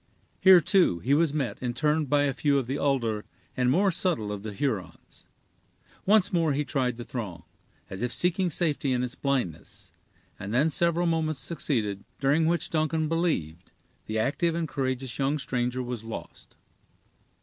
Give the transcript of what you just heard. Here, too, he was met and turned by a few of the older and more subtle of the Hurons. Once more he tried the throng, as if seeking safety in its blindness, and then several moments succeeded, during which Duncan believed the active and courageous young stranger was lost.